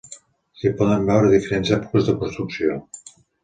S'hi poden veure diferents èpoques de construcció.